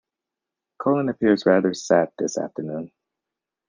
Colin appears rather sad this afternoon